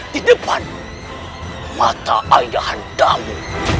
di depan mata ayah andamu